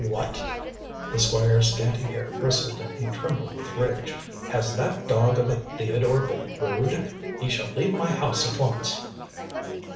"What?" the Squire's scanty hair bristled and he trembled with rage. "Has that dog of a Theodore been rude? He shall leave my house at once."